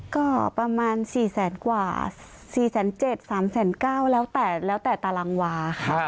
ก็ประมาณ๔แสนกว่า๔๗๐๐๓๙๐๐แล้วแต่ตารางวาค่ะ